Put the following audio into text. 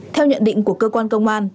theo nhận định của cơ quan công an